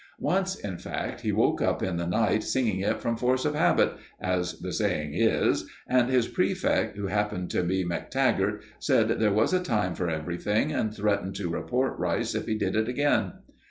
Once, in fact, he woke up in the night singing it from force of habit, as the saying is, and his prefect, who happened to be Mactaggert, said there was a time for everything, and threatened to report Rice if he did it again.